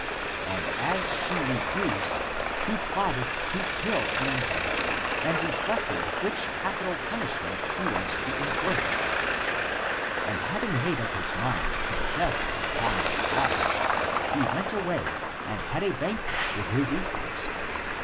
And as she refused, he plotted to kill Andrew, and re flected which capital punishment he was to inflict. And having made up his mind to the death upon the cross, he went away and had a banquet with his equals.